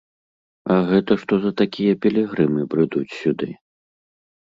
А гэта што за такія пілігрымы брыдуць сюды?